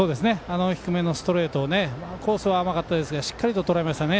低めのストレートをコースは甘かったですがしっかりととらえましたね。